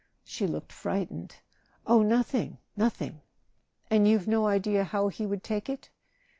She looked frightened. "Oh, nothing, nothing!" "And you've no idea how he would take it?"